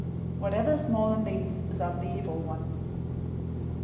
Whatever is more than these is of the evil one.